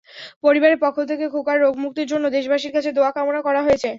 পরিবারের পক্ষ থেকে খোকার রোগমুক্তির জন্য দেশবাসীর কাছে দোয়া কামনা করা হয়েছে।